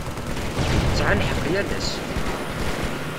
Tesɛa lḥeq yal ass.